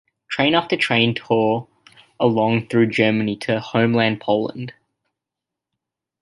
Train after train tore along though Germany to the homeland, to Poland.